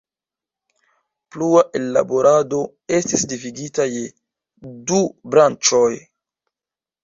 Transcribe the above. Plua ellaborado estis dividita je du branĉoj.